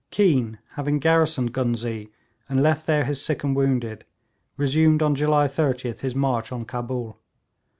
Keane, having garrisoned Ghuznee, and left there his sick and wounded, resumed on July 30th his march on Cabul.